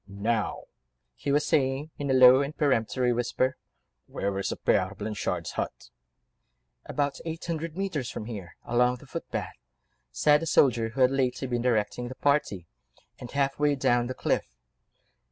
"Now," he was saying in a low and peremptory whisper, "where is the Père Blanchard's hut?" "About eight hundred mètres from here, along the footpath," said the soldier who had lately been directing the party, "and half way down the cliff."